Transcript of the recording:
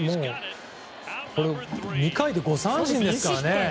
２回で５三振ですからね。